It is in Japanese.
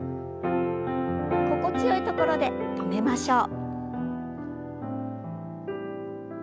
心地よいところで止めましょう。